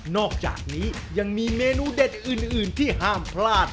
อกจากนี้ยังมีเมนูเด็ดอื่นที่ห้ามพลาด